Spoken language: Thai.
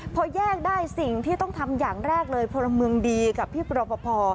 พอแยกได้สิ่งที่ต้องทำอย่างแรกเลยพลเมืองดีกับพี่ปรปภ